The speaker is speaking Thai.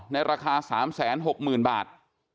ในราคา๓๖๐๐๐บาท